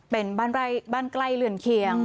เป็นบ้านใกล้เรือนเคียง